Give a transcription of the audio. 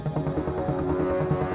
ya udah gue jalanin dulu